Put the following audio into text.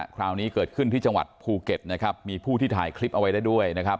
คราวนี้เกิดขึ้นที่จังหวัดภูเก็ตนะครับมีผู้ที่ถ่ายคลิปเอาไว้ได้ด้วยนะครับ